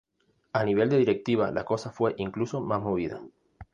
A nivel de directiva, la cosa fue incluso más movida.